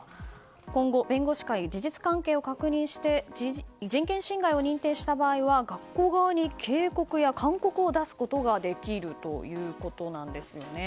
今後、弁護士会が事実関係を確認して人権侵害を認定した場合は学校側に警告や勧告を出すことができるということです。